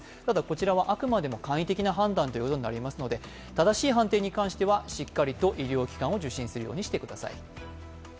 ただこちらはあくまでも簡易的な判断になりますので正しい判定に関してはしっかりと医療機関を受診するようにしてください。